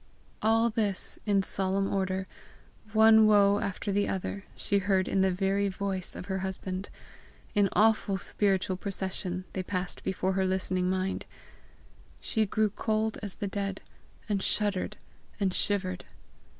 All this, in solemn order, one woe after the other, she heard in the very voice of her husband; in awful spiritual procession, they passed before her listening mind! She grew cold as the dead, and shuddered and shivered.